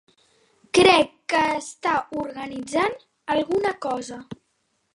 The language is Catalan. Crec que està organitzant alguna cosa.